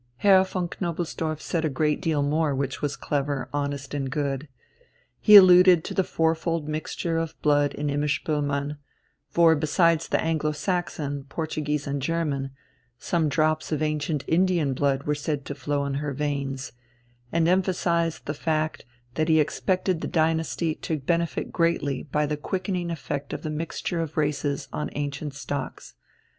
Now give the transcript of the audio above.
Herr von Knobelsdorff said a great deal more which was clever, honest, and good. He alluded to the fourfold mixture of blood in Imma Spoelmann for besides the Anglo Saxon, Portuguese and German, some drops of ancient Indian blood were said to flow in her veins and emphasized the fact that he expected the dynasty to benefit greatly by the quickening effect of the mixture of races on ancient stocks.